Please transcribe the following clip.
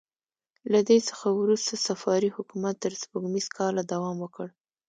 له دې څخه وروسته صفاري حکومت تر سپوږمیز کاله دوام وکړ.